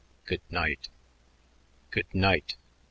"Good night." "Good night."